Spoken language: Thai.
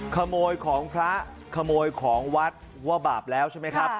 ขโมยของพระขโมยของวัดว่าบาปแล้วใช่ไหมครับ